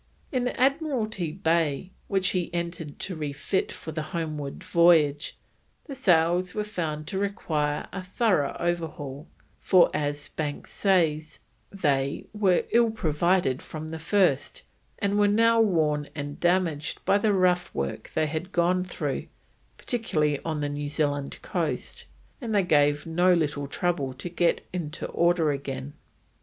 In Admiralty Bay, which he entered to refit for the homeward voyage, the sails were found to require a thorough overhaul, for, as Banks says, they: "were ill provided from the first, and were now worn and damaged by the rough work they had gone through, particularly on the New Zealand coast, and they gave no little trouble to get into order again."